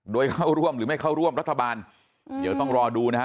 โดยเข้าร่วมหรือไม่เข้าร่วมรัฐบาลเดี๋ยวต้องรอดูนะฮะ